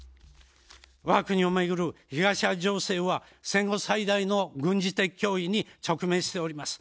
わが国をめぐる東アジア情勢は戦後最大の軍事的脅威に直面しております。